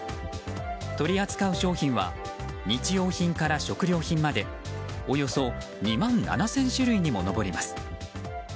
取り扱う商品は日用品から食料品までおよそ２万７０００種類にも上ります。